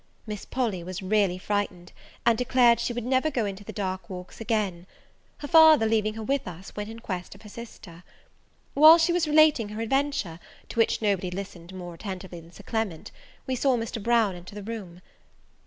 Miss Polly was really frightened, and declared she would never go into the dark walks again. Her father, leaving her with us, went in quest of her sister. While she was relating her adventures, to which nobody listened more attentively than Sir Clement, we saw Mr. Brown enter the room.